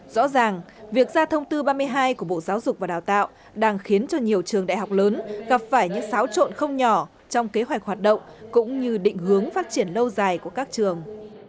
rõ ràng việc ra thông tư ba mươi hai của bộ giáo dục và đào tạo đang khiến cho nhiều trường đại học lớn gặp phải những xáo trộn không nhỏ trong kế hoạch hoạt động cũng như định hướng phát triển lâu dài của các trường